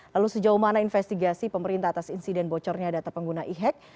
lalu sejauh mana investigasi pemerintah atas insiden bocornya data pengguna e hack